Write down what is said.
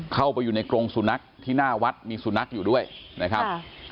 เข้าไปอยู่ในกรงสุนัขที่หน้าวัดมีสุนัขอยู่ด้วยนะครับ